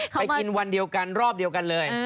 ไปกินวันเดียวกันรอบเดียวกันเลย